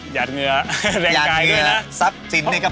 หยาดเหนือแรงกายด้วยนะ